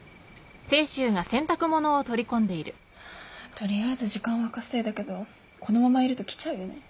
取りあえず時間は稼いだけどこのままいると来ちゃうよね？